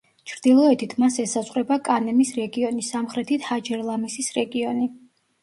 ჩრდილოეთით მას ესაზღვრება კანემის რეგიონი, სამხრეთით ჰაჯერ-ლამისის რეგიონი.